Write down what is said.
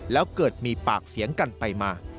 แล้วเกิดมีปากเสียงกันไปมา